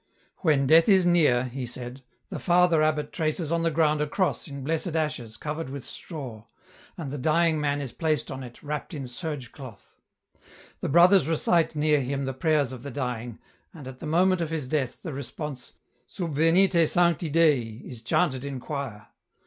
" When death is near," he said, " the Father abbot tracts on the ground a cross in blessed ashes covered with straw, and the dying man is placed on it wrapped in serge doth. " The brothers recite near him the prayers of the dying, and at the moment of his death the response * Subvenite Sancti Dei ' is chanted in choir.